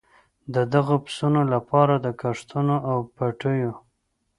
د دغو پسونو لپاره د کښتونو او پټیو.